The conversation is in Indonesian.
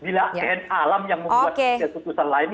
bila tni alam yang membuat keputusan lain